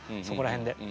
そこら辺で。